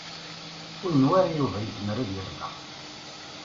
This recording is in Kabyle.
Ur yenwa ara Yuba yezmer ad yerbeḥ.